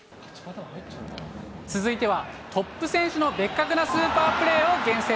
続いてはトップ選手のベッカクなスーパープレーを厳選。